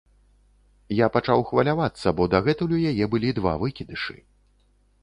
Я пачаў хвалявацца, бо дагэтуль у яе былі два выкідышы.